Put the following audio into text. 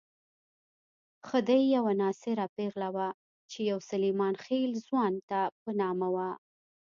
خدۍ یوه ناصره پېغله وه چې يو سلیمان خېل ځوان ته په نامه وه.